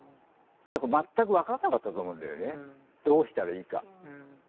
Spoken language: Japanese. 全く分からなかったと思うんだよねどうしたらいいか。